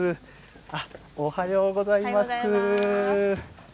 おはようございます。